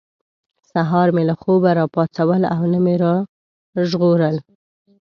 سهار مې له خوبه را پاڅول او نه مې را ژغورلي.